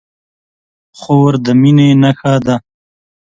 خور د مینې نښه ده.